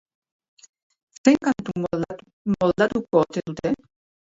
Zein kantu moldatuko ote dute?